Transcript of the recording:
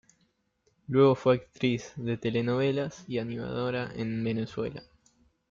Luego fue actriz de telenovelas y animadora en Venezuela.